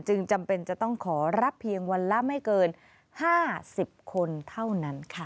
จำเป็นจะต้องขอรับเพียงวันละไม่เกิน๕๐คนเท่านั้นค่ะ